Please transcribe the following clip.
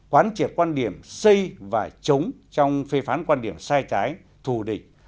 quán triệt quan điểm xây và chống trong phê phán quan điểm sai trái thù địch